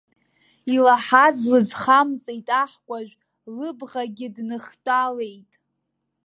Илаҳаз лызхамҵеит аҳкәажә, лыбӷагьы дныхтәалеит.